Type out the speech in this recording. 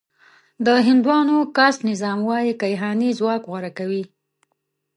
د هندوانو کاسټ نظام وايي کیهاني ځواک غوره کوي.